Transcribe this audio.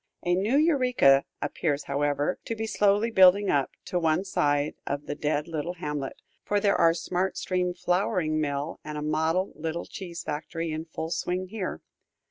A new Eureka appears, however, to be slowly building up, to one side of the dead little hamlet, for there are smart steam flouring mill and a model little cheese factory in full swing here.